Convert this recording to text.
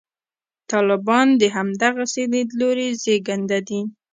طالبان د همدغسې لیدلوري زېږنده دي.